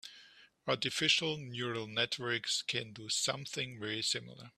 Artificial neural networks can do something very similar.